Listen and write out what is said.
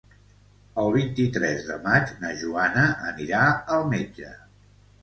El vint-i-tres de maig na Joana anirà al metge.